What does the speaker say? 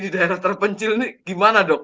di daerah terpencil ini gimana dok